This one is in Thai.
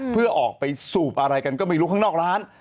เพื่อออกไปสูบอะไรกันก็ไม่รู้ข้างนอกร้าน